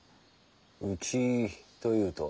「うち」というと。